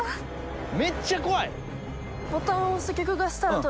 めっちゃ怖い。